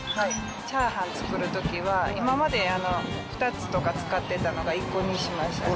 チャーハン作るときは、今まで２つとか使ってたのが１個にしましたね。